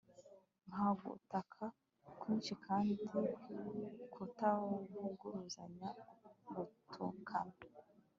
nka gutaka kwinshi kandi kutavuguruzanya gutukana